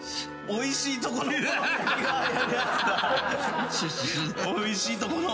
おいしいとこの。